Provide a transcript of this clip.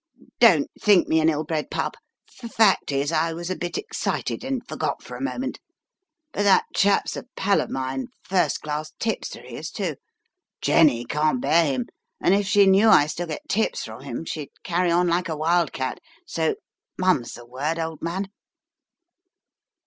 "Don't think me an ill bred pup. Fact is, I was a bit excited and forgot for a moment. But that chap's a pal of mine, first class tipster he is, too. Jenny can't bear him, and if she knew I still get tips from him, she'd carry on like a wild cat, so mum's the word, old man."